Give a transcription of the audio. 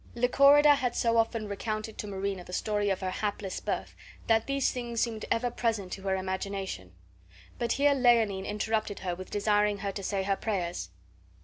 Lychorida had so often recounted to Marina the story of her hapless birth that these things seemed ever present to her imagination. But here Leonine interrupted her with desiring her to say her prayers.